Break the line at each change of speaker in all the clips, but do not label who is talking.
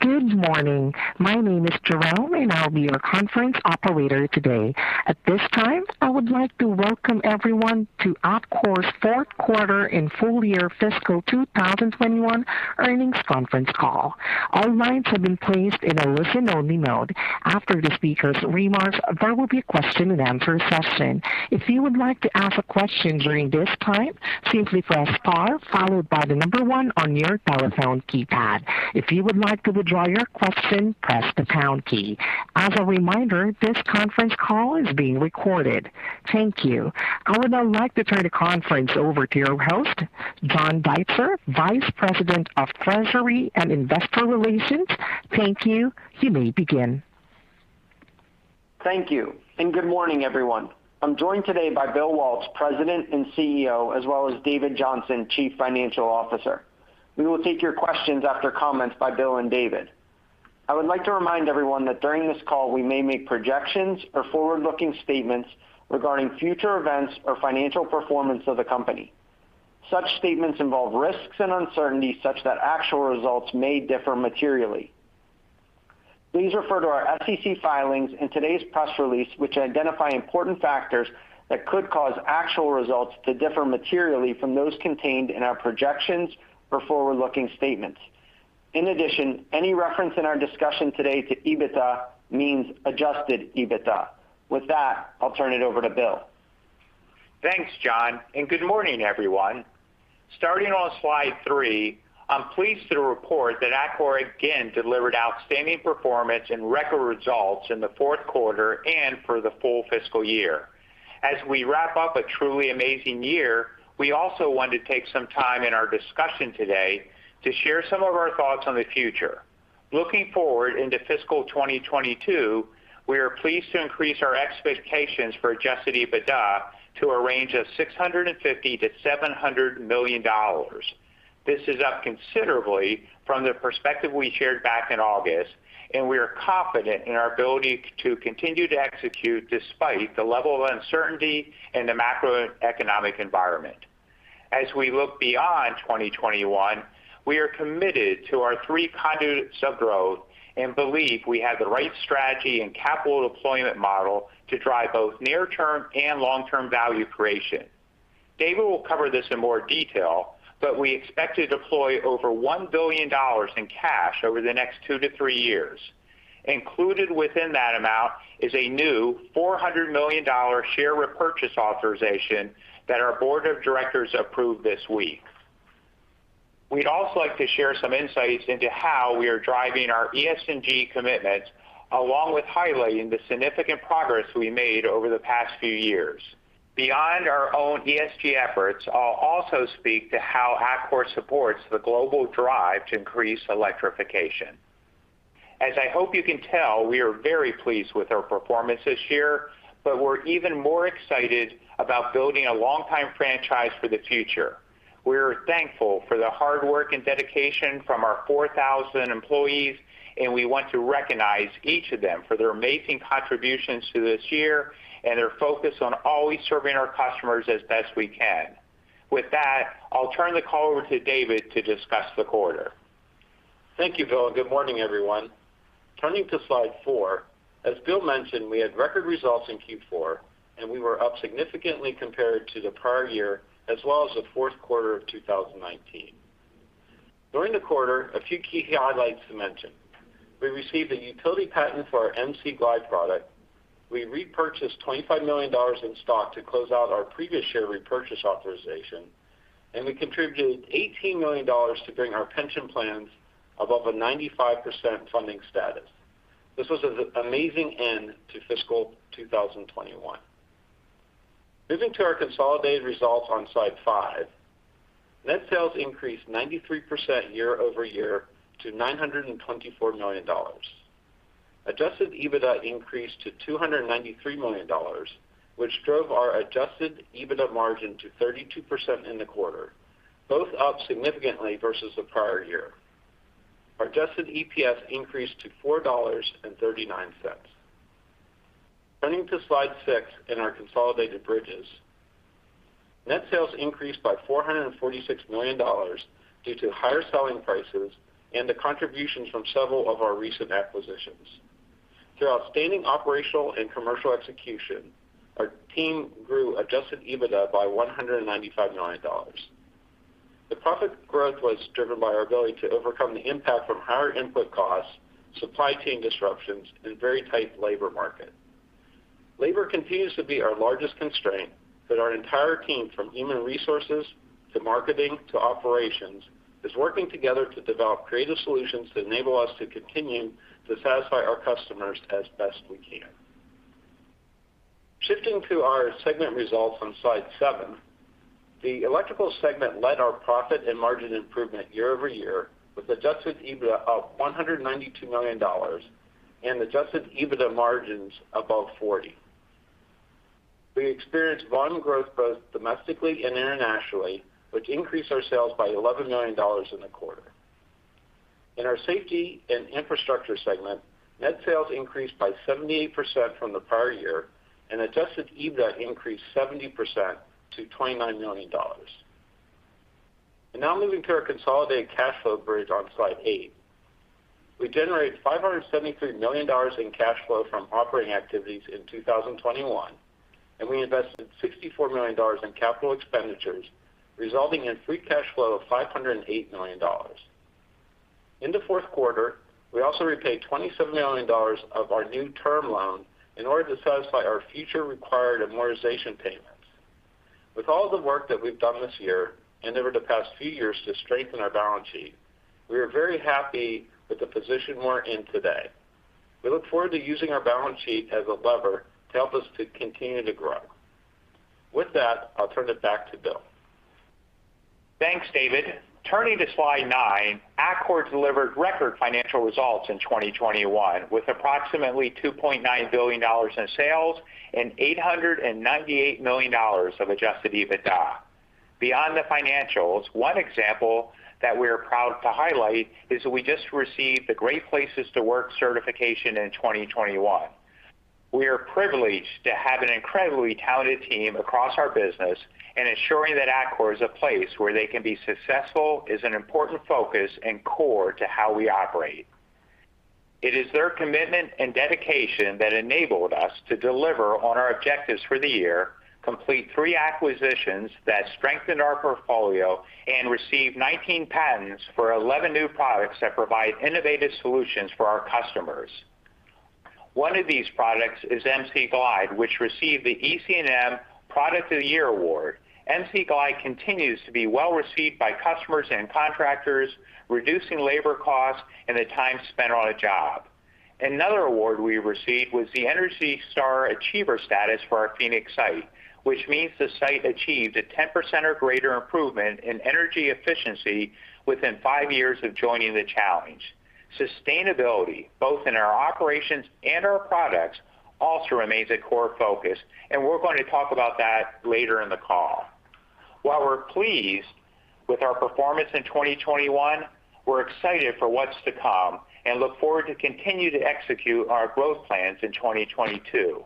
Good morning. My name is Jerome, and I'll be your conference operator today. At this time, I would like to welcome everyone to Atkore's Fourth Quarter and Full Year Fiscal 2021 Earnings Conference Call. All lines have been placed in a listen only mode. After the speaker's remarks, there will be a question and answer session. If you would like to ask a question during this time, simply press star followed by the number one on your telephone keypad. If you would like to withdraw your question, press the pound key. As a reminder, this conference call is being recorded. Thank you. I would now like to turn the conference over to your host, John Deitzer, Vice President of Treasury and Investor Relations. Thank you. You may begin.
Thank you, and good morning, everyone. I'm joined today by Bill Waltz, President and CEO, as well as David Johnson, Chief Financial Officer. We will take your questions after comments by Bill and David. I would like to remind everyone that during this call, we may make projections or forward-looking statements regarding future events or financial performance of the company. Such statements involve risks and uncertainties such that actual results may differ materially. Please refer to our SEC filings in today's press release, which identify important factors that could cause actual results to differ materially from those contained in our projections or forward-looking statements. In addition, any reference in our discussion today to EBITDA means adjusted EBITDA. With that, I'll turn it over to Bill.
Thanks, John, and good morning, everyone. Starting on slide three, I'm pleased to report that Atkore again delivered outstanding performance and record results in the fourth quarter and for the full fiscal year. As we wrap up a truly amazing year, we also want to take some time in our discussion today to share some of our thoughts on the future. Looking forward into fiscal 2022, we are pleased to increase our expectations for adjusted EBITDA to a range of $650 million-$700 million. This is up considerably from the perspective we shared back in August, and we are confident in our ability to continue to execute despite the level of uncertainty in the macroeconomic environment. As we look beyond 2021, we are committed to our 3 conduits of growth and believe we have the right strategy and capital deployment model to drive both near-term and long-term value creation. David will cover this in more detail, but we expect to deploy over $1 billion in cash over the next 2 to 3 years. Included within that amount is a new $400 million share repurchase authorization that our board of directors approved this week. We'd also like to share some insights into how we are driving our ESG commitment, along with highlighting the significant progress we made over the past few years. Beyond our own ESG efforts, I'll also speak to how Atkore supports the global drive to increase electrification. As I hope you can tell, we are very pleased with our performance this year, but we're even more excited about building a long-term franchise for the future. We're thankful for the hard work and dedication from our 4,000 employees, and we want to recognize each of them for their amazing contributions to this year and their focus on always serving our customers as best we can. With that, I'll turn the call over to David to discuss the quarter.
Thank you, Bill, and good morning, everyone. Turning to slide 4, as Bill mentioned, we had record results in Q4, and we were up significantly compared to the prior year as well as the fourth quarter of 2019. During the quarter, a few key highlights to mention. We received a utility patent for our MC Glide product. We repurchased $25 million in stock to close out our previous share repurchase authorization, and we contributed $18 million to bring our pension plans above a 95% funding status. This was an amazing end to fiscal 2021. Moving to our consolidated results on slide 5. Net sales increased 93% year-over-year to $924 million. Adjusted EBITDA increased to $293 million, which drove our adjusted EBITDA margin to 32% in the quarter, both up significantly versus the prior year. Our adjusted EPS increased to $4.39. Turning to slide six in our consolidated bridges. Net sales increased by $446 million due to higher selling prices and the contributions from several of our recent acquisitions. Through outstanding operational and commercial execution, our team grew adjusted EBITDA by $195 million. The profit growth was driven by our ability to overcome the impact from higher input costs, supply chain disruptions, and very tight labor market. Labor continues to be our largest constraint, but our entire team from human resources to marketing to operations is working together to develop creative solutions to enable us to continue to satisfy our customers as best we can. Shifting to our segment results on slide 7. The electrical segment led our profit and margin improvement year-over-year with adjusted EBITDA up $192 million and adjusted EBITDA margins above 40%. We experienced volume growth both domestically and internationally, which increased our sales by $11 million in the quarter. In our safety and infrastructure segment, net sales increased by 78% from the prior year. Adjusted EBITDA increased 70% to $29 million. Now moving to our consolidated cash flow bridge on slide 8. We generated $573 million in cash flow from operating activities in 2021, and we invested $64 million in capital expenditures, resulting in free cash flow of $508 million. In the fourth quarter, we also repaid $27 million of our new term loan in order to satisfy our future required amortization payments. With all the work that we've done this year, and over the past few years to strengthen our balance sheet, we are very happy with the position we're in today. We look forward to using our balance sheet as a lever to help us to continue to grow. With that, I'll turn it back to Bill.
Thanks, David. Turning to slide nine, Atkore delivered record financial results in 2021, with approximately $2.9 billion in sales and $898 million of adjusted EBITDA. Beyond the financials, one example that we are proud to highlight is that we just received the Great Place to Work certification in 2021. We are privileged to have an incredibly talented team across our business, and ensuring that Atkore is a place where they can be successful is an important focus and core to how we operate. It is their commitment and dedication that enabled us to deliver on our objectives for the year, complete three acquisitions that strengthened our portfolio, and receive 19 patents for 11 new products that provide innovative solutions for our customers. One of these products is MC Glide, which received the EC&M Product of the Year award. MC Glide continues to be well-received by customers and contractors, reducing labor costs and the time spent on a job. Another award we received was the ENERGY STAR Achiever status for our Phoenix site, which means the site achieved a 10% or greater improvement in energy efficiency within five years of joining the challenge. Sustainability, both in our operations and our products, also remains a core focus, and we're going to talk about that later in the call. While we're pleased with our performance in 2021, we're excited for what's to come and look forward to continue to execute our growth plans in 2022.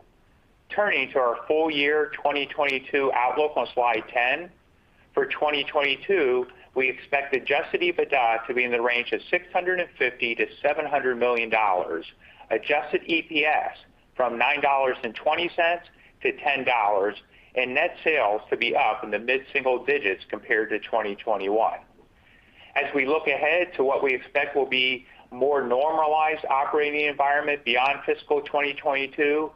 Turning to our full year 2022 outlook on slide 10. For 2022, we expect adjusted EBITDA to be in the range of $650 million-$700 million, adjusted EPS from $9.20 to $10, and net sales to be up in the mid-single digits compared to 2021. As we look ahead to what we expect will be more normalized operating environment beyond fiscal 2022,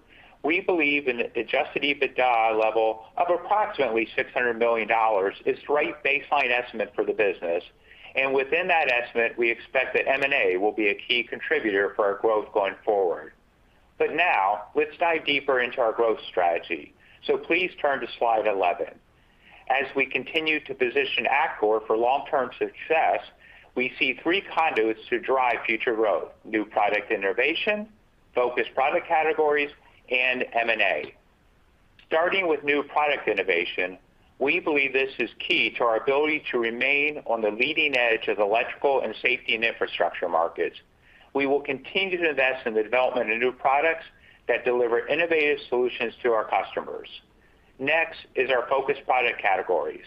we believe an adjusted EBITDA level of approximately $600 million is the right baseline estimate for the business. Within that estimate, we expect that M&A will be a key contributor for our growth going forward. Now, let's dive deeper into our growth strategy. Please turn to slide 11. As we continue to position Atkore for long-term success, we see three conduits to drive future growth: new product innovation, focused product categories, and M&A. Starting with new product innovation, we believe this is key to our ability to remain on the leading edge of the electrical and safety and infrastructure markets. We will continue to invest in the development of new products that deliver innovative solutions to our customers. Next is our focused product categories.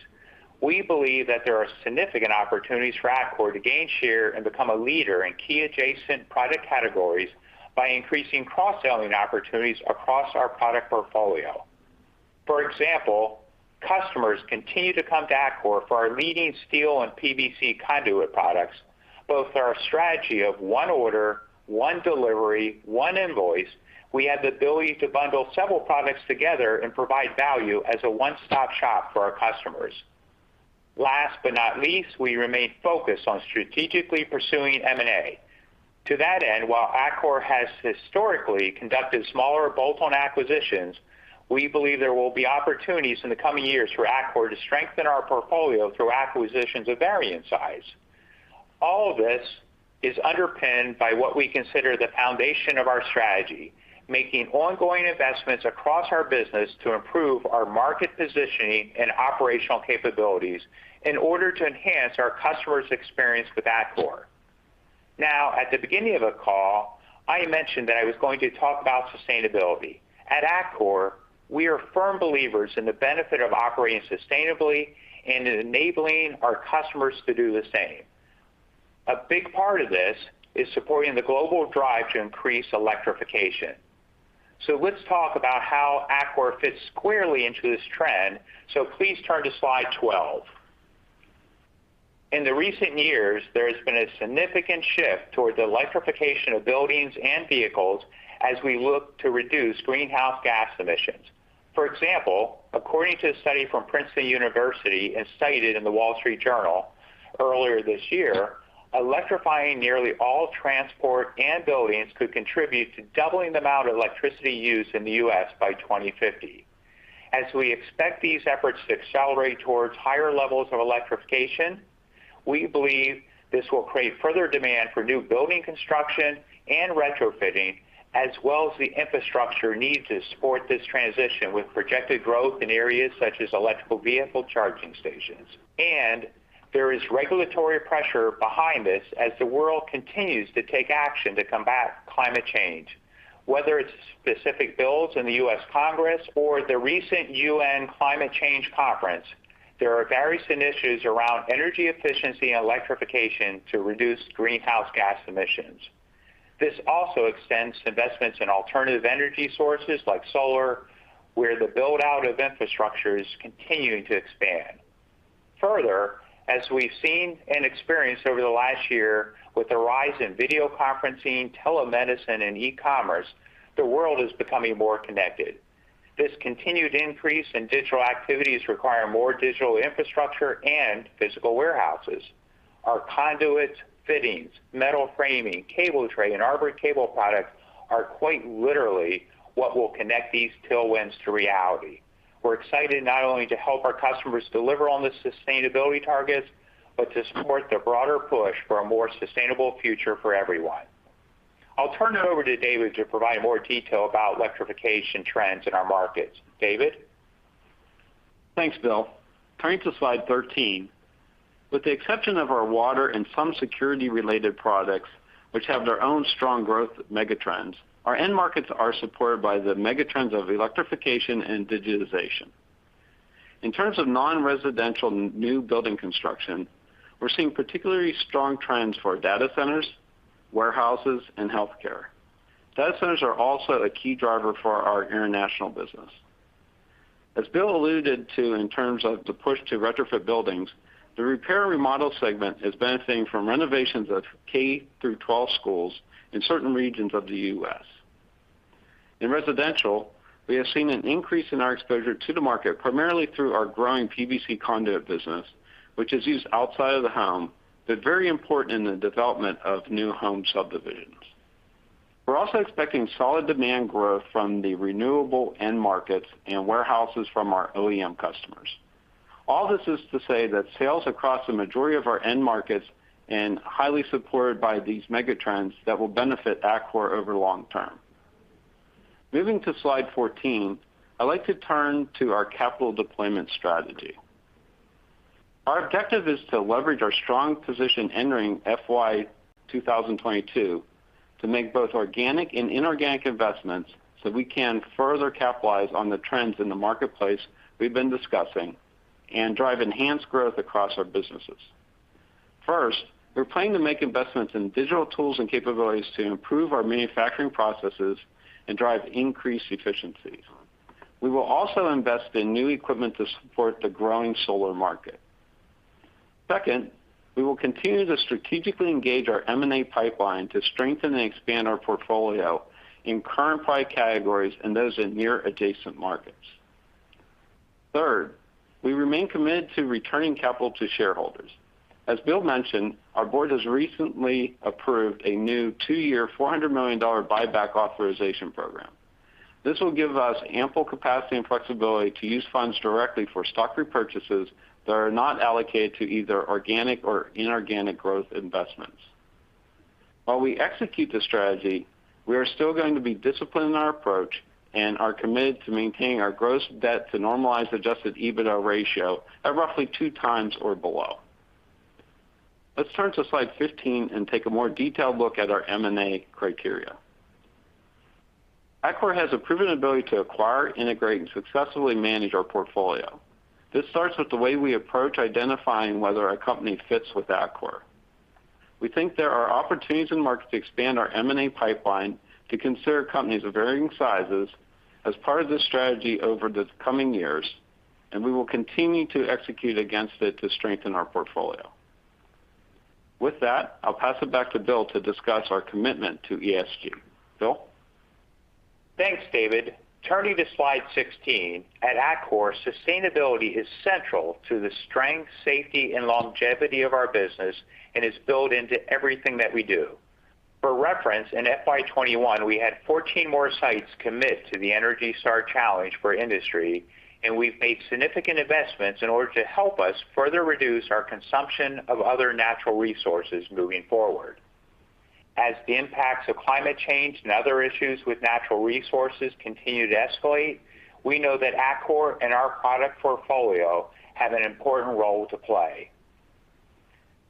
We believe that there are significant opportunities for Atkore to gain share and become a leader in key adjacent product categories by increasing cross-selling opportunities across our product portfolio. For example, customers continue to come to Atkore for our leading steel and PVC conduit products. Both our strategy of one order, one delivery, one invoice, we have the ability to bundle several products together and provide value as a one-stop shop for our customers. Last but not least, we remain focused on strategically pursuing M&A. To that end, while Atkore has historically conducted smaller bolt-on acquisitions, we believe there will be opportunities in the coming years for Atkore to strengthen our portfolio through acquisitions of varying size. All of this is underpinned by what we consider the foundation of our strategy, making ongoing investments across our business to improve our market positioning and operational capabilities in order to enhance our customers' experience with Atkore. Now, at the beginning of the call, I mentioned that I was going to talk about sustainability. At Atkore, we are firm believers in the benefit of operating sustainably and enabling our customers to do the same. A big part of this is supporting the global drive to increase electrification. Let's talk about how Atkore fits squarely into this trend. Please turn to slide 12. In recent years, there has been a significant shift toward the electrification of buildings and vehicles as we look to reduce greenhouse gas emissions. For example, according to a study from Princeton University and cited in The Wall Street Journal earlier this year, electrifying nearly all transport and buildings could contribute to doubling the amount of electricity used in the U.S. by 2050. As we expect these efforts to accelerate towards higher levels of electrification, we believe this will create further demand for new building construction and retrofitting, as well as the infrastructure needed to support this transition with projected growth in areas such as electric vehicle charging stations. There is regulatory pressure behind this as the world continues to take action to combat climate change. Whether it's specific bills in the U.S. Congress or the recent United Nations Climate Change Conference, there are various initiatives around energy efficiency and electrification to reduce greenhouse gas emissions. This also extends investments in alternative energy sources like solar, where the build-out of infrastructure is continuing to expand. Further, as we've seen and experienced over the last year with the rise in video conferencing, telemedicine, and e-commerce, the world is becoming more connected. This continued increase in digital activities require more digital infrastructure and physical warehouses. Our conduits, fittings, metal framing, cable tray, and armor cable products are quite literally what will connect these tailwinds to reality. We're excited not only to help our customers deliver on the sustainability targets, but to support the broader push for a more sustainable future for everyone. I'll turn it over to David to provide more detail about electrification trends in our markets. David?
Thanks, Bill. Turning to slide 13. With the exception of our water and some security-related products, which have their own strong growth megatrends, our end markets are supported by the megatrends of electrification and digitization. In terms of non-residential new building construction, we're seeing particularly strong trends for data centers, warehouses, and healthcare. Data centers are also a key driver for our international business. As Bill alluded to in terms of the push to retrofit buildings, the repair and remodel segment is benefiting from renovations of K-12 schools in certain regions of the U.S. In residential, we have seen an increase in our exposure to the market, primarily through our growing PVC conduit business, which is used outside of the home, but very important in the development of new home subdivisions. We're also expecting solid demand growth from the renewable end markets and warehouses from our OEM customers. All this is to say that sales across the majority of our end markets are highly supported by these megatrends that will benefit Atkore over the long term. Moving to slide 14, I'd like to turn to our capital deployment strategy. Our objective is to leverage our strong position entering FY 2022 to make both organic and inorganic investments so we can further capitalize on the trends in the marketplace we've been discussing and drive enhanced growth across our businesses. First, we're planning to make investments in digital tools and capabilities to improve our manufacturing processes and drive increased efficiencies. We will also invest in new equipment to support the growing solar market. Second, we will continue to strategically engage our M&A pipeline to strengthen and expand our portfolio in current product categories and those in near adjacent markets. Third, we remain committed to returning capital to shareholders. As Bill mentioned, our board has recently approved a new 2-year, $400 million buyback authorization program. This will give us ample capacity and flexibility to use funds directly for stock repurchases that are not allocated to either organic or inorganic growth investments. While we execute this strategy, we are still going to be disciplined in our approach and are committed to maintaining our gross debt to normalized adjusted EBITDA ratio at roughly 2x or below. Let's turn to slide 15 and take a more detailed look at our M&A criteria. Atkore has a proven ability to acquire, integrate, and successfully manage our portfolio. This starts with the way we approach identifying whether a company fits with Atkore. We think there are opportunities in the market to expand our M&A pipeline to consider companies of varying sizes as part of this strategy over the coming years, and we will continue to execute against it to strengthen our portfolio. With that, I'll pass it back to Bill to discuss our commitment to ESG. Bill?
Thanks, David. Turning to slide 16. At Atkore, sustainability is central to the strength, safety, and longevity of our business and is built into everything that we do. For reference, in FY 2021, we had 14 more sites commit to the ENERGY STAR Challenge for Industry, and we've made significant investments in order to help us further reduce our consumption of other natural resources moving forward. As the impacts of climate change and other issues with natural resources continue to escalate, we know that Atkore and our product portfolio have an important role to play.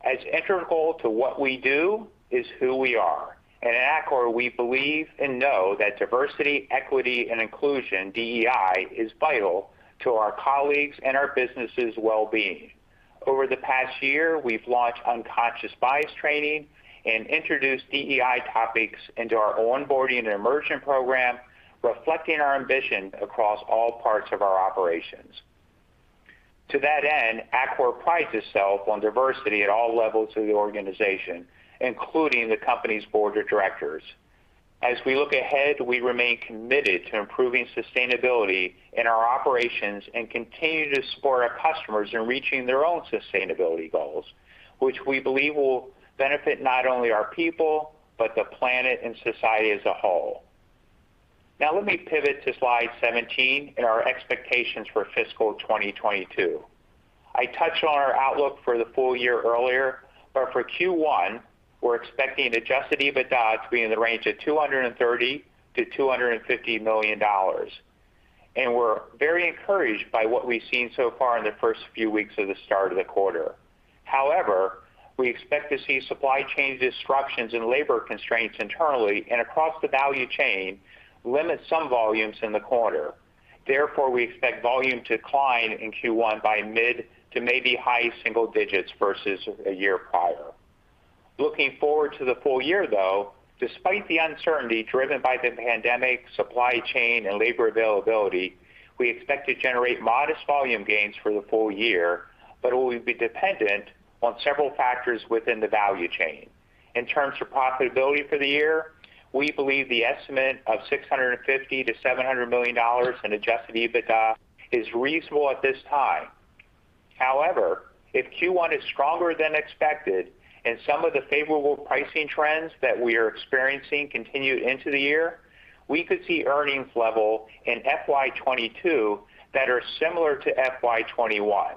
As integral to what we do is who we are. At Atkore, we believe and know that diversity, equity, and inclusion, DEI, is vital to our colleagues and our business's well-being. Over the past year, we've launched unconscious bias training and introduced DEI topics into our onboarding and immersion program, reflecting our ambition across all parts of our operations. To that end, Atkore prides itself on diversity at all levels of the organization, including the company's board of directors. As we look ahead, we remain committed to improving sustainability in our operations and continue to support our customers in reaching their own sustainability goals, which we believe will benefit not only our people, but the planet and society as a whole. Now let me pivot to slide 17 and our expectations for fiscal 2022. I touched on our outlook for the full year earlier, but for Q1, we're expecting adjusted EBITDA to be in the range of $230 million-$250 million. We're very encouraged by what we've seen so far in the first few weeks of the start of the quarter. However, we expect to see supply chain disruptions and labor constraints internally and across the value chain limit some volumes in the quarter. Therefore, we expect volume decline in Q1 by mid- to maybe high-single digits% versus a year prior. Looking forward to the full year, though, despite the uncertainty driven by the pandemic, supply chain, and labor availability, we expect to generate modest volume gains for the full year, but it will be dependent on several factors within the value chain. In terms of profitability for the year, we believe the estimate of $650 million-$700 million in adjusted EBITDA is reasonable at this time. However, if Q1 is stronger than expected and some of the favorable pricing trends that we are experiencing continue into the year, we could see earnings level in FY 2022 that are similar to FY 2021.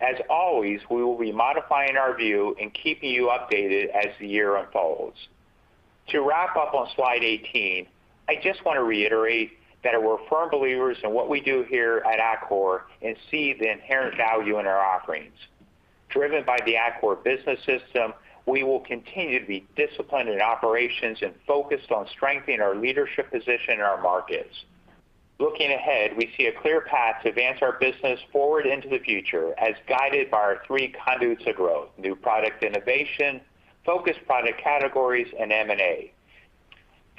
As always, we will be modifying our view and keeping you updated as the year unfolds. To wrap up on slide 18, I just want to reiterate that we're firm believers in what we do here at Atkore and see the inherent value in our offerings. Driven by the Atkore Business System, we will continue to be disciplined in operations and focused on strengthening our leadership position in our markets. Looking ahead, we see a clear path to advance our business forward into the future as guided by our three conduits of growth, new product innovation, focused product categories, and M&A.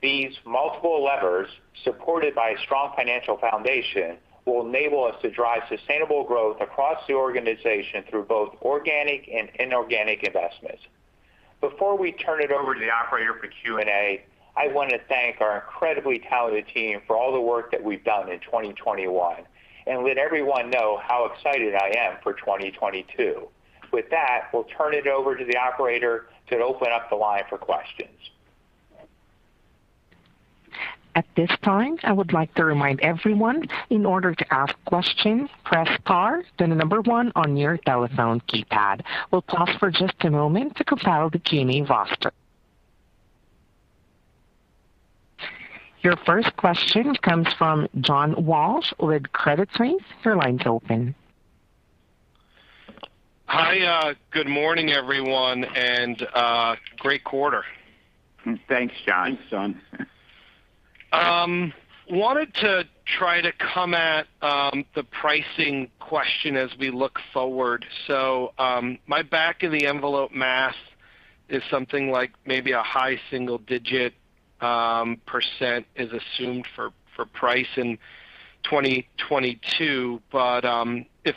These multiple levers, supported by a strong financial foundation, will enable us to drive sustainable growth across the organization through both organic and inorganic investments. Before we turn it over to the operator for Q&A, I want to thank our incredibly talented team for all the work that we've done in 2021 and let everyone know how excited I am for 2022. With that, we'll turn it over to the operator to open up the line for questions.
At this time, I would like to remind everyone, in order to ask questions, press star then the number one on your telephone keypad. We'll pause for just a moment to compile the queue roster. Your first question comes from John Walsh with Credit Suisse. Your line's open.
Hi. Good morning, everyone, and great quarter.
Thanks, John. Thanks, John.
Wanted to try to come at the pricing question as we look forward. My back-of-the-envelope math is something like maybe a high single-digit percent is assumed for price in 2022. If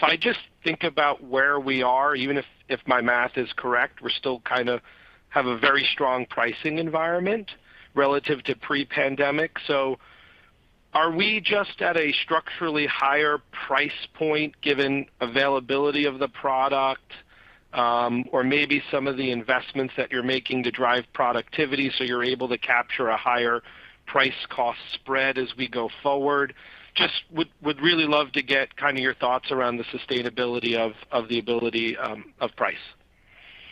I just think about where we are, even if my math is correct, we still kinda have a very strong pricing environment relative to pre-pandemic. Are we just at a structurally higher price point given availability of the product, or maybe some of the investments that you're making to drive productivity, so you're able to capture a higher price cost spread as we go forward? Just would really love to get kinda your thoughts around the sustainability of the ability of price.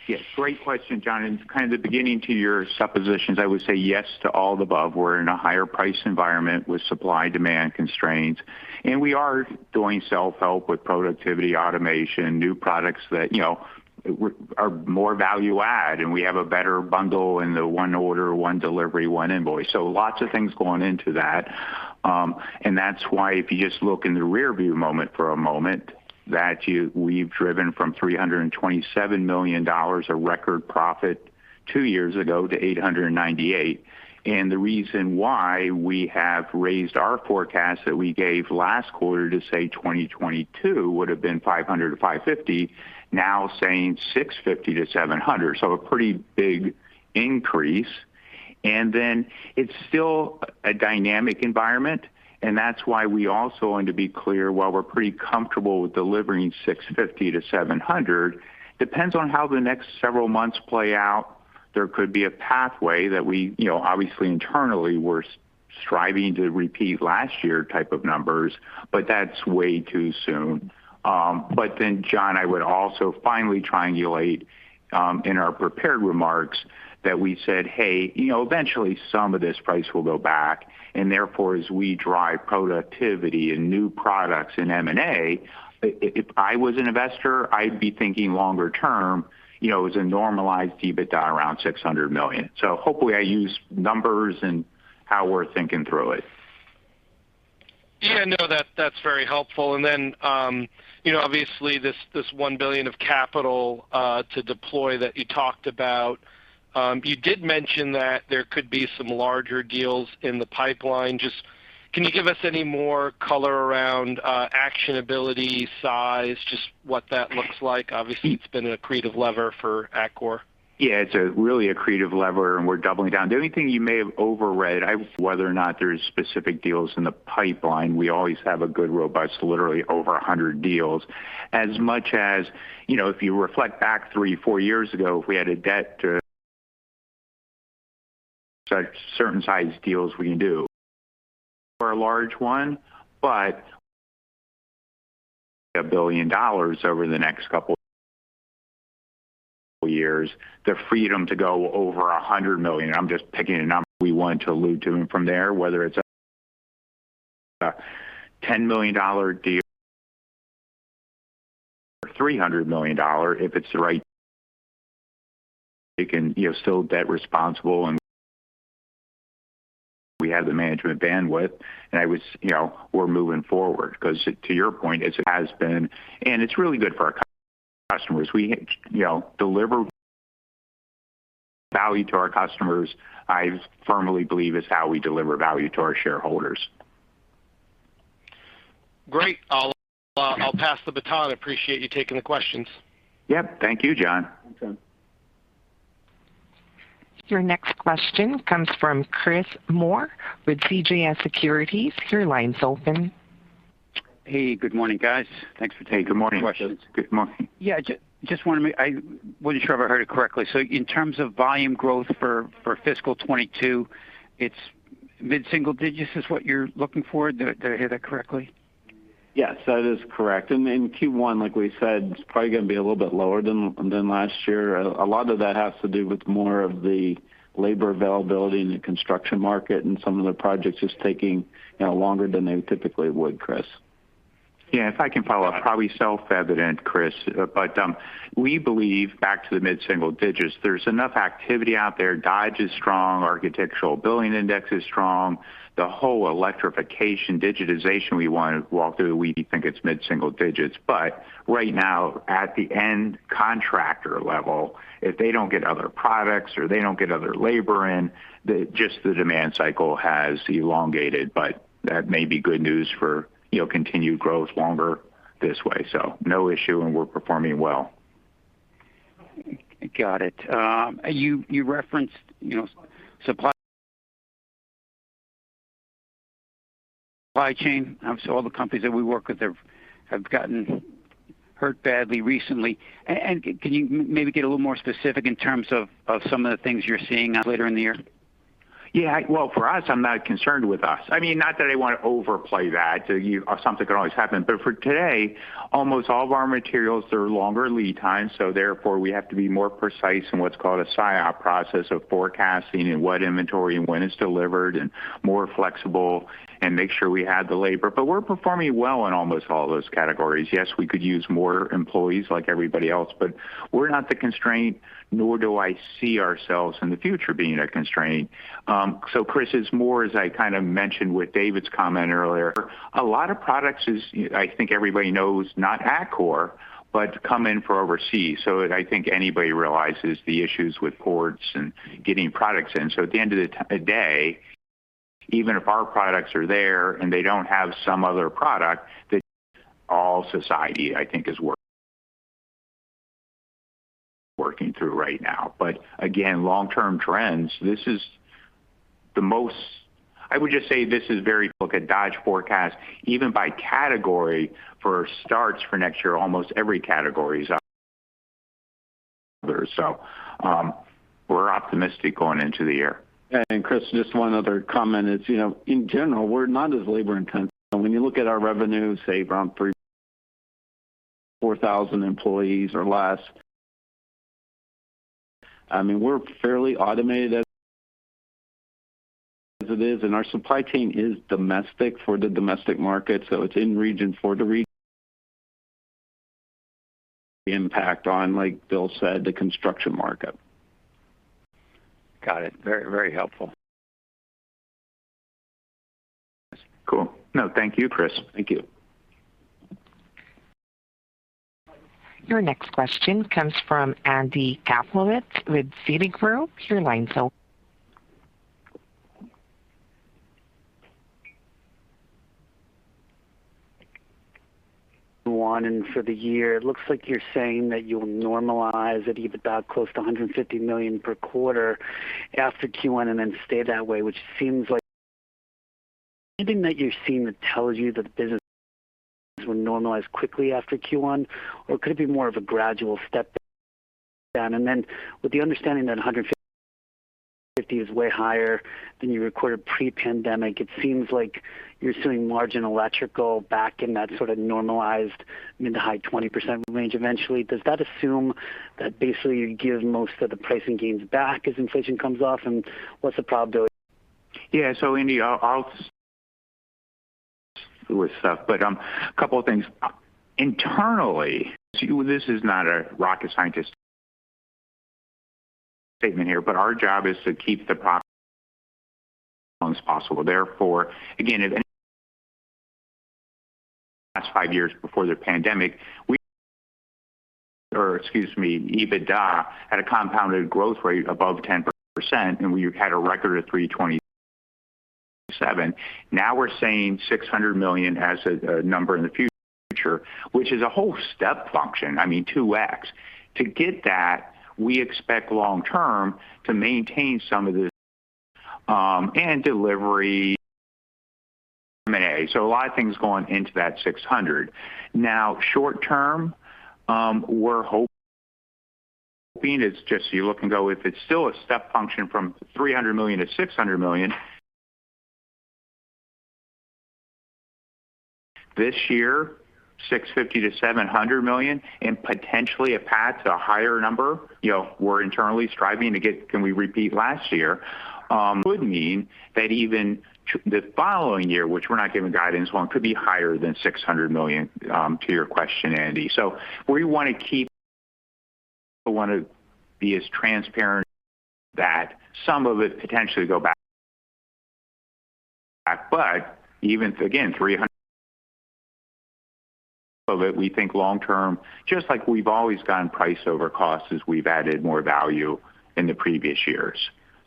Yes. Great question, John, and kind of the beginning to your suppositions. I would say yes to all the above. We're in a higher price environment with supply-demand constraints, and we are doing self-help with productivity, automation, new products that, you know, are more value add, and we have a better bundle in the one order, one delivery, one invoice. Lots of things going into that. That's why if you just look in the rearview mirror for a moment, we've driven from $327 million of record profit two years ago to $898 million. The reason why we have raised our forecast that we gave last quarter to, say, 2022 would have been $500 million-$550 million, now saying $650 million-$700 million, so a pretty big increase. It's still a dynamic environment, and that's why we also want to be clear, while we're pretty comfortable with delivering $650 million-$700 million, depends on how the next several months play out. There could be a pathway that we, you know, obviously internally we're striving to repeat last year type of numbers, but that's way too soon. John, I would also finally triangulate in our prepared remarks that we said, "Hey, you know, eventually some of this price will go back, and therefore, as we drive productivity and new products in M&A, if I was an investor, I'd be thinking longer term, you know, as a normalized EBITDA around $600 million." Hopefully I used numbers and how we're thinking through it.
Yeah, no, that's very helpful. Then, you know, obviously this $1 billion of capital to deploy that you talked about, you did mention that there could be some larger deals in the pipeline. Just can you give us any more color around actionability, size, just what that looks like? Obviously, it's been an accretive lever for Atkore.
Yeah. It's a really accretive lever, and we're doubling down. The only thing you may have overrated is whether or not there's specific deals in the pipeline. We always have a good, robust, literally over 100 deals. As much as, you know, if you reflect back three, four years ago, if we had a debt to certain size deals we can do. For a large one, but $1 billion over the next couple years, the freedom to go over $100 million. I'm just picking a number we want to allude to from there, whether it's a $10 million dollar deal or three hundred million dollar, if it's the right. We can, you know, still debt responsible and we have the management bandwidth. I was, you know, we're moving forward 'cause to your point, it has been. It's really good for our customers. We, you know, deliver value to our customers, I firmly believe is how we deliver value to our shareholders. Great. I'll pass the baton. Appreciate you taking the questions. Yep. Thank you, John. Okay.
Your next question comes from Chris Moore with CJS Securities. Your line's open.
Hey, good morning, guys. Thanks for taking the questions.
Good morning. Good morning.
Yeah, just wanted to make sure. I wasn't sure if I heard it correctly. In terms of volume growth for fiscal 2022, it's mid-single digits is what you're looking for. Did I hear that correctly?
Yes, that is correct. In Q1, like we said, it's probably gonna be a little bit lower than last year. A lot of that has to do with more of the labor availability in the construction market, and some of the projects just taking, you know, longer than they typically would, Chris. Yeah, if I can follow up, probably self-evident, Chris, but we believe back to the mid-single digits, there's enough activity out there. Dodge is strong. Architecture Billings Index is strong. The whole electrification, digitization we wanna walk through, we think it's mid-single digits. Right now at the end contractor level, if they don't get other products or they don't get other labor in, just the demand cycle has elongated. That may be good news for, you know, continued growth longer this way. No issue, and we're performing well.
Got it. You referenced, you know, supply chain. So all the companies that we work with have gotten hurt badly recently. Can you maybe get a little more specific in terms of some of the things you're seeing later in the year?
Yeah. Well, for us, I'm not concerned with us. I mean, not that I want to overplay that. Something could always happen. For today, almost all of our materials are longer lead times, so therefore we have to be more precise in what's called a SIOP process of forecasting and what inventory and when it's delivered and more flexible and make sure we have the labor. We're performing well in almost all those categories. Yes, we could use more employees like everybody else, but we're not the constraint, nor do I see ourselves in the future being a constraint. Chris, it's more, as I kind of mentioned with David's comment earlier, a lot of products is, I think everybody knows, not at Atkore, but come in from overseas. I think anybody realizes the issues with ports and getting products in. At the end of the day, even if our products are there and they don't have some other product that all society, I think, is working through right now. Again, long-term trends. I would just say, look at the Dodge forecast even by category for starts for next year. Almost every category is up. We're optimistic going into the year. Chris, just one other comment is, you know, in general, we're not as labor intensive. When you look at our revenue, say around 3,000 or 4,000 employees or less, I mean, we're fairly automated as it is, and our supply chain is domestic for the domestic market, so it's in region for the impact on, like Bill said, the construction market.
Got it. Very, very helpful.
Cool. No, thank you, Chris.
Thank you.
Your next question comes from Andy Kaplowitz with Seaport Group. Your line's open.
One, and for the year, it looks like you're saying that you'll normalize at EBITDA close to $150 million per quarter after Q1 and then stay that way, which seems like anything that you're seeing that tells you that the business will normalize quickly after Q1. Or could it be more of a gradual step down? With the understanding that 150 is way higher than you recorded pre-pandemic, it seems like you're assuming electrical margin back in that sort of normalized mid- to high-20% range eventually. Does that assume that basically you give most of the pricing gains back as inflation comes off, and what's the probability?
Yeah. Andy, I'll start. A couple of things. Internally, this is not a rocket scientist statement here, but our job is to keep the promise as simple as possible. Therefore, again, in the last five years before the pandemic, excuse me, EBITDA had a compounded growth rate above 10%, and we had a record of $327 million. Now we're saying $600 million as a number in the future, which is a whole step function. I mean, 2x. To get that, we expect long term to maintain some of the efficiencies and delivery M&A. A lot of things going into that $600 million. Now, short term, we're hoping it's just you look and go, if it's still a step function from $300 million to $600 million. This year, $650 million-$700 million and potentially a path to a higher number. You know, we're internally striving to get can we repeat last year would mean that even the following year, which we're not giving guidance on, could be higher than $600 million, to your question, Andy. We want to be as transparent that some of it potentially go back. But even again, $300 million of it, we think long term, just like we've always gotten price over cost as we've added more value in the previous years.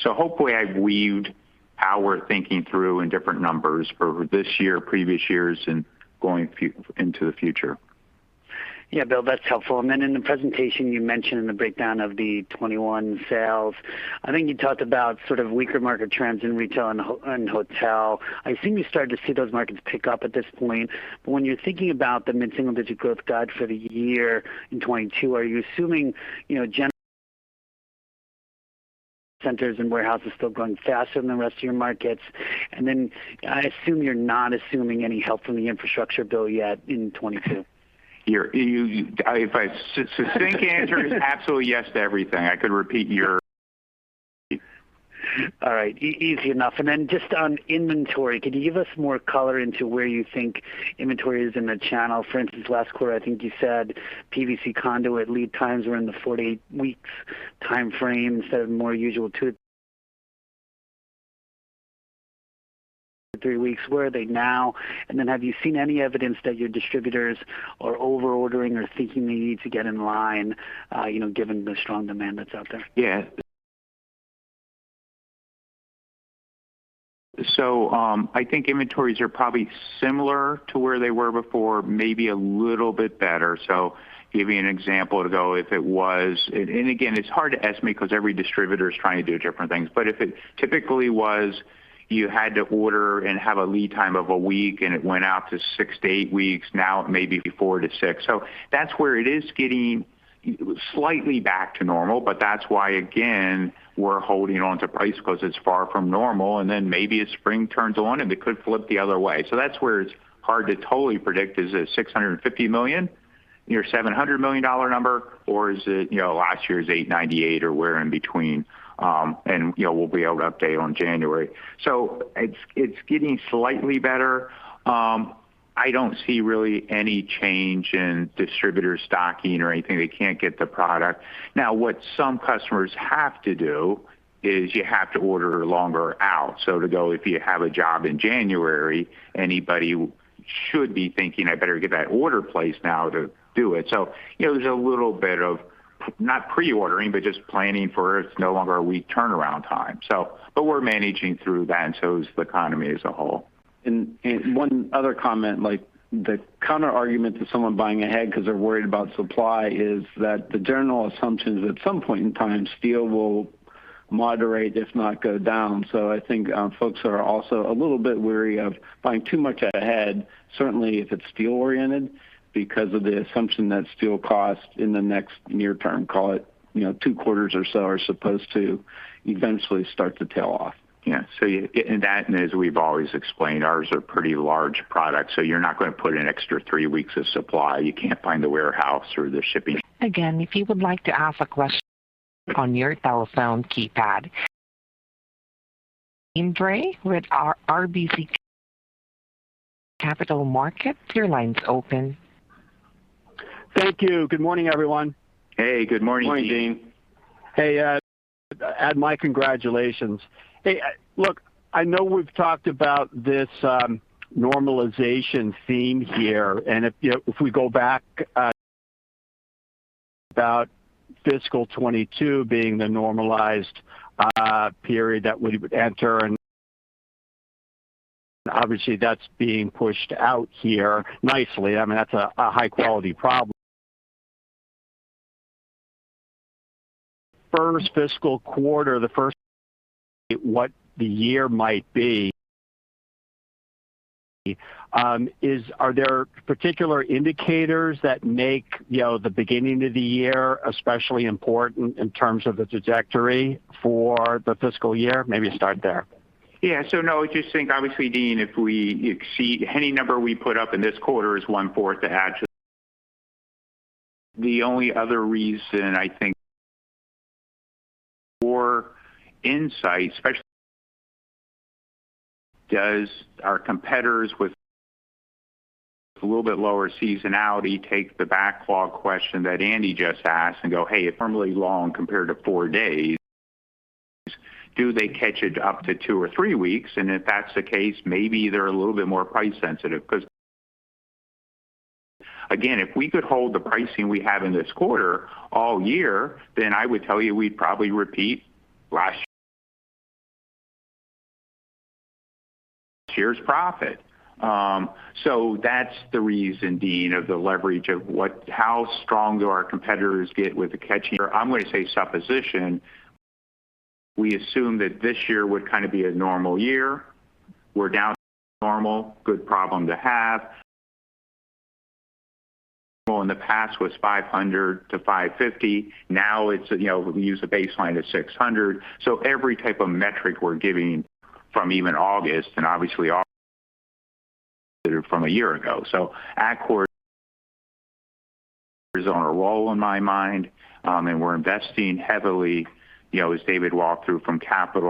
Hopefully I've weaved our thinking through in different numbers for this year, previous years, and going into the future.
Yeah, Bill, that's helpful. Then in the presentation you mentioned in the breakdown of the 2021 sales, I think you talked about sort of weaker market trends in retail and hotel. I assume you started to see those markets pick up at this point. When you're thinking about the mid single-digit growth guide for the year in 2022, are you assuming, you know, data centers and warehouses still growing faster than the rest of your markets? Then I assume you're not assuming any help from the infrastructure bill yet in 2022.
Succinct answer is absolutely yes to everything. I could repeat your
All right. Easy enough. Just on inventory, could you give us more color into where you think inventory is in the channel? For instance, last quarter, I think you said PVC conduit lead times were in the 40 weeks time frame instead of more usual 2 to 3 weeks. Where are they now? Have you seen any evidence that your distributors are over ordering or thinking they need to get in line, you know, given the strong demand that's out there?
Yeah. I think inventories are probably similar to where they were before, maybe a little bit better. Give you an example, though. It's hard to estimate because every distributor is trying to do different things. If it typically was you had to order and have a lead time of a week and it went out to 6 to 8 weeks, now it may be 4 to 6. That's where it is getting slightly back to normal. That's why, again, we're holding on to price because it's far from normal. Then maybe as spring turns on and it could flip the other way. That's where it's hard to totally predict. Is it $650 million, your $700 million number, or is it, you know, last year's $898 or we're in between? You know, we'll be able to update on January. It's getting slightly better. I don't see really any change in distributor stocking or anything. They can't get the product. Now what some customers have to do is you have to order longer out. To go, if you have a job in January, anybody should be thinking, I better get that order placed now to do it. You know, there's a little bit of not pre-ordering, but just planning for. It's no longer a week turnaround time. We're managing through that and so is the economy as a whole.
One other comment, like the counterargument to someone buying ahead because they're worried about supply is that the general assumption is at some point in time steel will moderate, if not go down. I think, folks are also a little bit wary of buying too much ahead, certainly if it's steel-oriented because of the assumption that steel cost in the next near term, call it, you know, two quarters or so, are supposed to eventually start to tail off.
As we've always explained, ours are pretty large products, so you're not going to put an extra 3 weeks of supply. You can't find the warehouse or the shipping-
Again, if you would like to ask a question on your telephone keypad. Deane Dray with RBC Capital Markets, your line's open.
Thank you. Good morning, everyone.
Hey, good morning, Deane.
Morning, Deane. Hey, and my congratulations. Hey, look, I know we've talked about this, normalization theme here, and if, you know, if we go back, about fiscal 2022 being the normalized period that we would enter and obviously that's being pushed out here nicely. I mean, that's a high quality problem. First fiscal quarter, the first quarter of the year might be, is there particular indicators that make, you know, the beginning of the year especially important in terms of the trajectory for the fiscal year? Maybe start there.
Yeah. No, I just think obviously, Deane, if we exceed any number we put up in this quarter, it's one for the hat trick. The only other reason I think our insight, especially as our competitors with a little bit lower seasonality take the backlog question that Andy just asked and go, "Hey, it's normally long compared to 4 days." Do they catch it up to 2 or 3 weeks? And if that's the case, maybe they're a little bit more price sensitive because again, if we could hold the pricing we have in this quarter all year, then I would tell you we'd probably repeat last year's profit. That's the reason, Deane, of the leverage of what how strong do our competitors get with the catching. I'm going to say supposition. We assume that this year would kind of be a normal year. We're down normal. Good problem to have. Well, in the past was 500 to 550. Now it's, you know, we use a baseline of 600. Every type of metric we're giving from even August and obviously all from a year ago. Atkore on our role in my mind, and we're investing heavily, you know, as David walked through from CapEx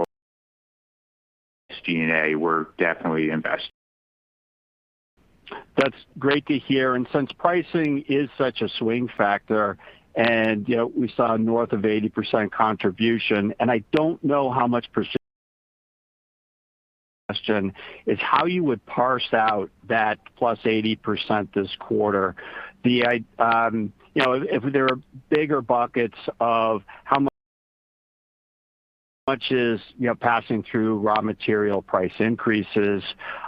and G&A, we're definitely investing.
That's great to hear. Since pricing is such a swing factor and, you know, we saw north of 80% contribution, and I don't know. The question is how you would parse out that plus 80% this quarter. You know, if there are bigger buckets of how much is, you know, passing through raw material price increases.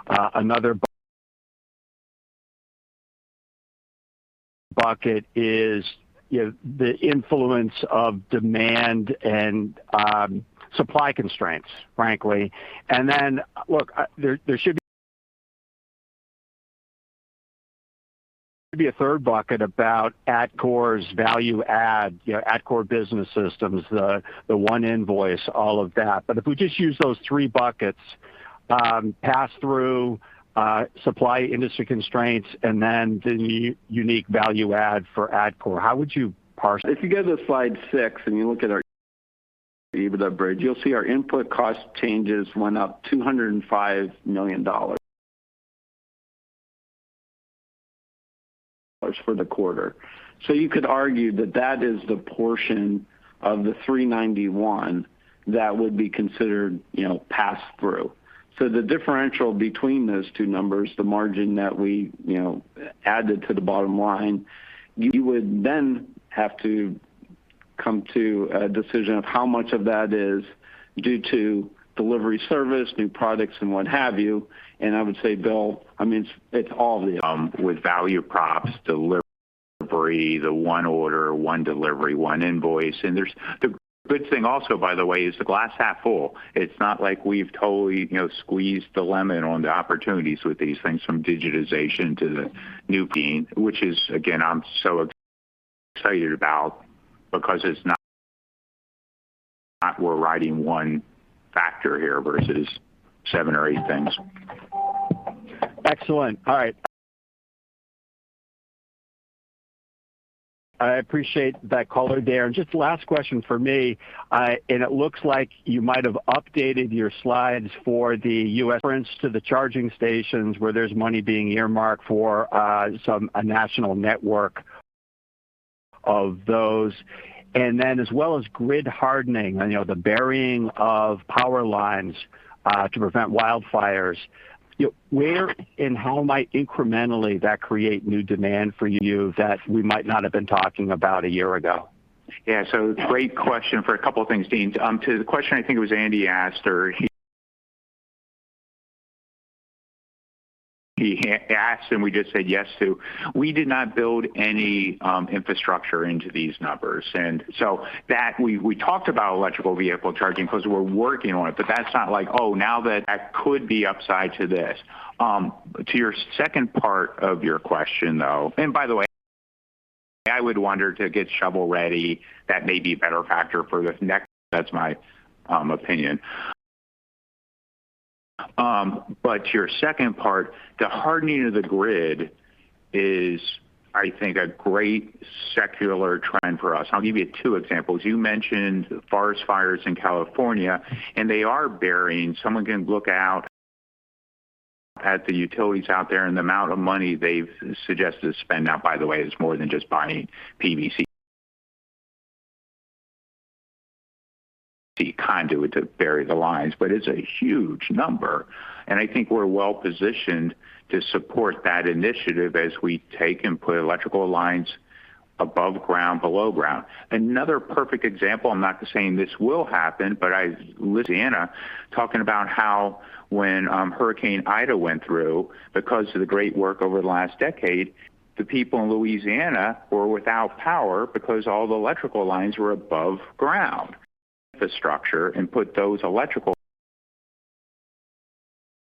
Another bucket is, you know, the influence of demand and supply constraints, frankly. Then look, there should be a third bucket about Atkore's value add, you know, Atkore Business System, the one invoice, all of that. If we just use those three buckets, pass through, supply industry constraints and then the unique value add for Atkore, how would you parse that?
If you go to slide 6 and you look at our you'll see our input cost changes went up $205 million for the quarter. You could argue that that is the portion of the $391 that would be considered, you know, pass through. The differential between those two numbers, the margin that we, you know, added to the bottom line, you would then have to come to a decision of how much of that is due to delivery service, new products and what have you. I would say, Bill, I mean it's all the with value props, delivery, the one order, one delivery, one invoice. There's the good thing also, by the way, is the glass half full.
It's not like we've totally, you know, squeezed the lemon on the opportunities with these things from digitization to the new, which is again, I'm so excited about because it's not we're riding one factor here versus seven or eight things.
Excellent. All right. I appreciate that color there. Just last question for me. It looks like you might have updated your slides for the U.S. reference to the charging stations where there's money being earmarked for some a national network of those. Then as well as grid hardening and you know the burying of power lines to prevent wildfires. Where and how might incrementally that create new demand for you that we might not have been talking about a year ago?
Yeah. Great question for a couple of things, Deane. To the question I think it was Andy Kaplowitz asked or he asked and we just said yes to, we did not build any infrastructure into these numbers. We talked about electric vehicle charging 'cause we're working on it. But that's not like, oh, now that could be upside to this. To your second part of your question, though, and by the way, I would wonder to get shovel-ready, that may be a better factor for the next. That's my opinion. Your second part, the hardening of the grid is, I think, a great secular trend for us. I'll give you two examples. You mentioned forest fires in California, and they are burying. Someone can look out at the utilities out there and the amount of money they've suggested to spend. Now, by the way, is more than just buying PVC conduit to bury the lines. It's a huge number, and I think we're well positioned to support that initiative as we take and put electrical lines above ground, below ground. Another perfect example, I'm not saying this will happen, but I was in Louisiana talking about how when Hurricane Ida went through because of the great work over the last decade, the people in Louisiana were without power because all the electrical lines were above ground. Infrastructure and put those electrical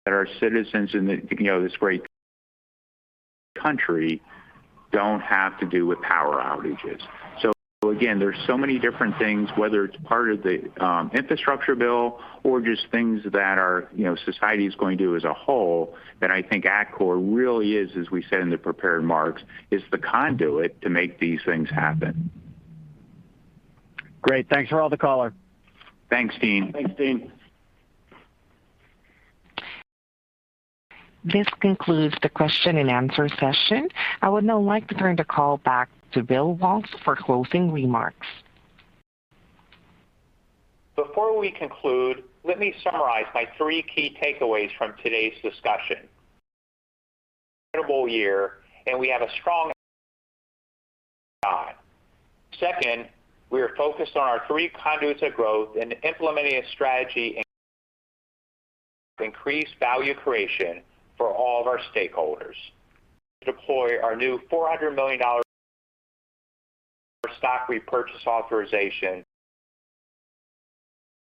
that our citizens in this great country don't have to deal with power outages. Again, there's so many different things, whether it's part of the infrastructure bill or just things that our, you know, society is going to do as a whole that I think Atkore really is, as we said in the prepared remarks, is the conduit to make these things happen.
Great. Thanks for all the color.
Thanks, Deane.
Thanks, Deane.
This concludes the question and answer session. I would now like to turn the call back to William Waltz for closing remarks.
Before we conclude, let me summarize my three key takeaways from today's discussion. Incredible year and we have a strong second half. Second, we are focused on our three conduits of growth and implementing a strategy to increase value creation for all of our stakeholders. Deploy our new $400 million stock repurchase authorization.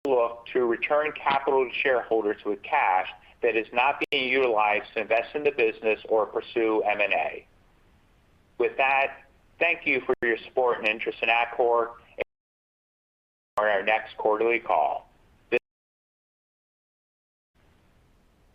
Look to return capital to shareholders with cash that is not being utilized to invest in the business or pursue M&A. With that, thank you for your support and interest in Atkore. Our next quarterly call. This-